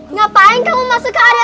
ngapain kamu masuk ke area